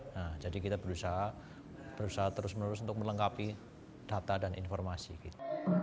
nah jadi kita berusaha terus menerus untuk melengkapi data dan informasi gitu